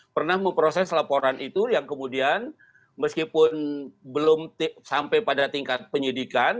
pernah memproses laporan itu yang kemudian meskipun belum sampai pada tingkat penyidikan